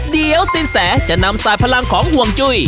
เดี๋ยวสินแสจะนำสายพลังของห่วงจุ้ย